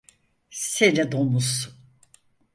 Seni domuz!